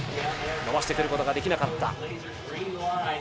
伸ばしてくることができなかった。